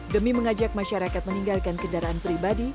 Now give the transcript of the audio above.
demi mengajak masyarakat meninggalkan kendaraan pribadi